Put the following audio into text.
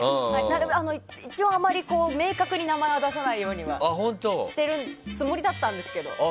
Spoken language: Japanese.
一応、明確に名前は出さないようにしているつもりだったんですけど。